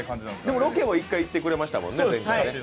でも、ロケは１回行ってくれましたもんね